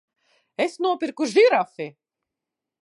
Es nopirku žirafi!